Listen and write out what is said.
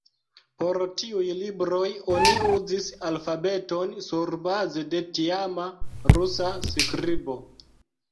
Por tiuj libroj oni uzis alfabeton surbaze de tiama rusa skribo.